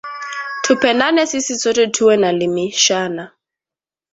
Tupendane sisi sote tuwe na limishana